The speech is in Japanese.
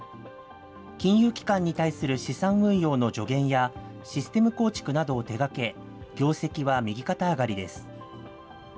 金融機関に対する資産運用の助言や、システム構築などを手がけ、業績は右肩上がりです。